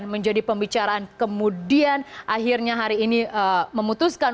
menjadi pembicaraan kemudian akhirnya hari ini memutuskan